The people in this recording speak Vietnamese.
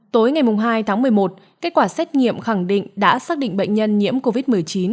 tối ngày hai tháng một mươi một kết quả xét nghiệm khẳng định đã xác định bệnh nhân nhiễm covid một mươi chín